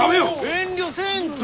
遠慮せんと！